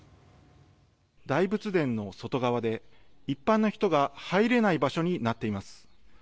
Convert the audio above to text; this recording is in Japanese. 大仏殿の外側で一般の人が入れない場所になっています。